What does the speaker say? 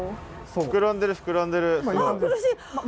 膨らんでる膨らんでる。